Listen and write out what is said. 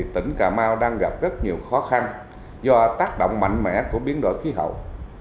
tỉnh cà mau đang gặp rất nhiều khó khăn do tác động mạnh mẽ của biến đổi khí hậu